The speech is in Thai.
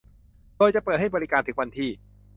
โดยจะเปิดให้บริการถึงวันที่